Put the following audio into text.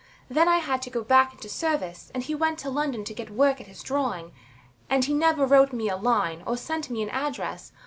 Then I had to go back into service, and he went to London to get work at his drawing; and he never wrote me a line or sent me an address.